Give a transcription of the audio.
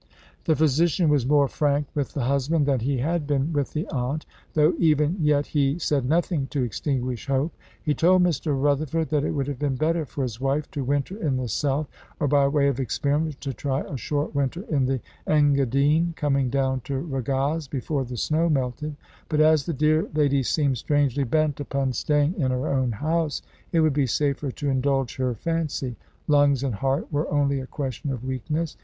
The physician was more frank with the husband than he had been with the aunt, though even yet he said nothing to extinguish hope. He told Mr. Rutherford that it would have been better for his wife to winter in the South, or by way of experiment to try a short winter in the Engadine, coming down to Ragaz before the snow melted; but as the dear lady seemed strangely bent upon staying in her own house, it would be safer to indulge her fancy. Lungs and heart were only a question of weakness.